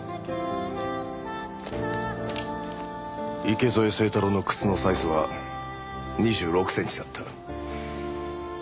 池添清太郎の靴のサイズは２６センチだった。